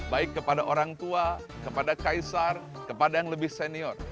baik kepada orang tua kepada kaisar kepada yang lebih senior